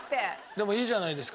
でもいいじゃないです